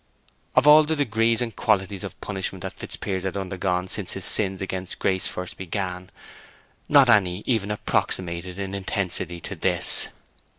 Of all the degrees and qualities of punishment that Fitzpiers had undergone since his sins against Grace first began, not any even approximated in intensity to this.